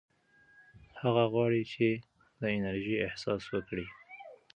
هغه غواړي چې د انرژۍ احساس وکړي.